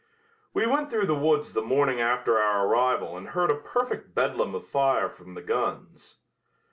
We went through the woods the morning after our arrival and heard a perfect bedlam of fire from the guns.